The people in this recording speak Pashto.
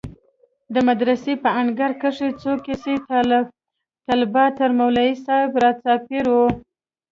د مدرسې په انګړ کښې څو کسه طلبا تر مولوي صاحب راچاپېر وو.